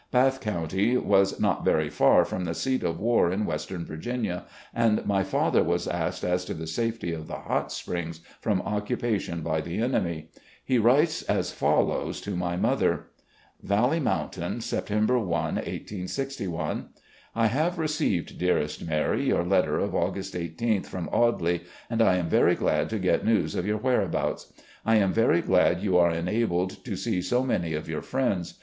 Bath County was not very far from the seat of war in western Virginia, and my father was asked as to the safety of the Hot Springs from occupation by the enemy. He writes as follows to my mother ;♦ His horse. THE CONFEDERATE GENERAL 43 "Valley Mountain, September i, i86i. "I have received, dearest Mary, your letter of August 1 8th from Audley, and am very glad to get news of your whereabouts. ... I am very glad you are enabled to see so many of your friends.